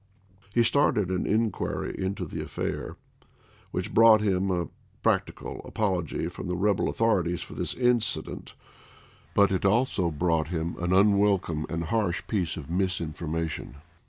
He started an inquiry into the affair, which brought him a practical apology from the rebel authorities for this incident, but it also brought him an unwelcome and harsh piece of misinforma tion.